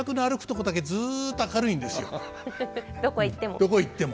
どこへ行っても。